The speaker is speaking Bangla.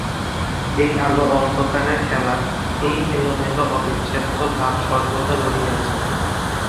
এই আলো-অন্ধকারে খেলা, এই এলোমেলো অবিচ্ছেদ্য ভাব সর্বদা রহিয়াছে।